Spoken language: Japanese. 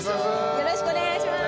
よろしくお願いします！